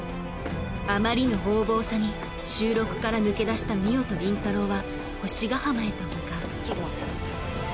あまりの横暴さに収録から抜け出した海音と倫太郎は星ヶ浜へと向かうちょっと待って。